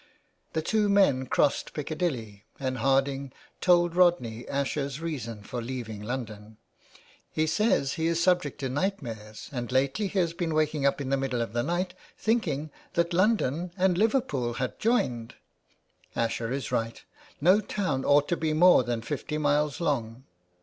The two men crossed Piccadilly, and Harding told Rodney Asher's reason for leaving London. " He says he is subject to nightmares, and lately he has been waking up in the middle of the night thinking that London and Liverpool had joined. Asher is right. No town ought to be more than fifty miles long.